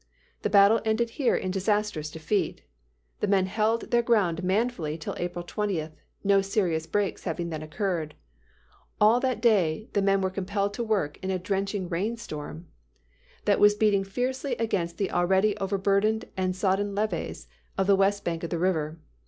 The battle ended here in disastrous defeat. The men held their ground manfully till April 20, no serious breaks having then occurred. All that day the men were compelled to work in a drenching rain storm that [Illustration: STOCK RAFT.] was beating fiercely against the already overburdened and sodden levees on the west bank of the river.